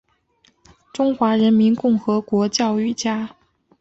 中华人民共和国教育家。